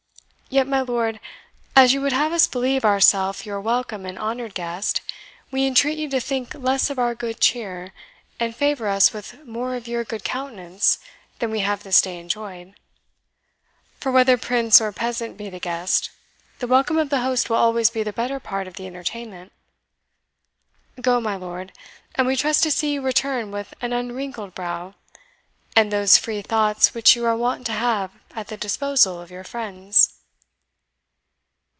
Yet, my lord, as you would have us believe ourself your welcome and honoured guest, we entreat you to think less of our good cheer, and favour us with more of your good countenance than we have this day enjoyed; for whether prince or peasant be the guest, the welcome of the host will always be the better part of the entertainment. Go, my lord; and we trust to see you return with an unwrinkled brow, and those free thoughts which you are wont to have at the disposal of your friends."